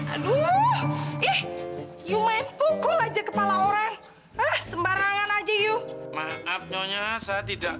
aduh yeh yu main pukul aja kepala orang ah sembarangan aja yuk maaf nyonya saya tidak